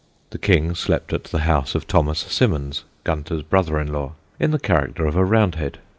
The King slept at the house of Thomas Symonds, Gunter's brother in law, in the character of a Roundhead.